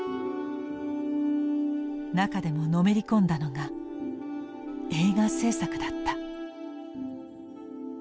中でものめり込んだのが映画製作だった。